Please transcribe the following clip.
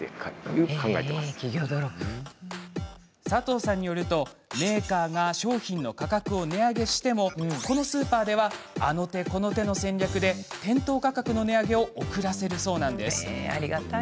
佐藤さんによると、メーカーが商品の価格を値上げしてもこのスーパーではあの手この手の戦略で店頭価格の値上げを遅らせるそうなんです。